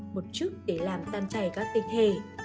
một chút để làm tan chảy các tinh hề